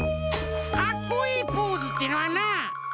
かっこいいポーズってのはな！